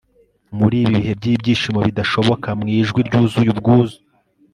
muri ibi bihe byibyishimo bidashoboka, mwijwi ryuzuye ubwuzu